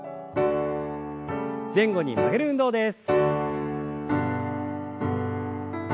前後に曲げる運動です。